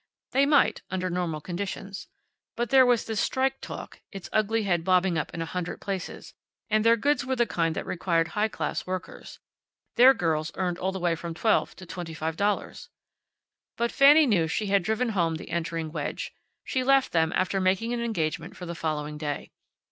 They might, under normal conditions. But there was this strike talk, its ugly head bobbing up in a hundred places. And their goods were the kind that required high class workers. Their girls earned all the way from twelve to twenty five dollars. But Fanny knew she had driven home the entering wedge. She left them after making an engagement for the following day.